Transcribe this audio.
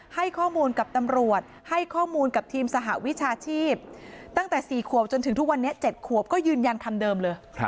ให้ข้อมูลกับตำรวจให้ข้อมูลกับทีมสหวิชาชีพตั้งแต่๔ขวบจนถึงทุกวันนี้๗ขวบก็ยืนยันคำเดิมเลย